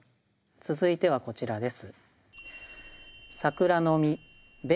続いてはこちらです。